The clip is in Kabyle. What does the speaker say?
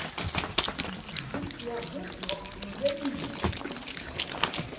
Tezdel tyaziḍt ɣef tmellalin-is.